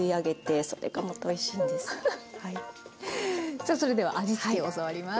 さあそれでは味付けを教わります。